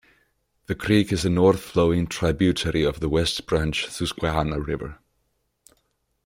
The creek is a north-flowing tributary of the West Branch Susquehanna River.